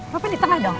papa di tengah dong